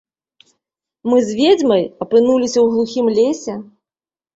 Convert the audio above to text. Мы з ведзьмай апынуліся ў глухім лесе.